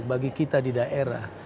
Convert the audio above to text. bagi kita di daerah